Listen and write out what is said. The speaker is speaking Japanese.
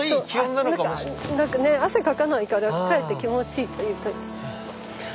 なんかね汗かかないからかえって気持ちいいというか。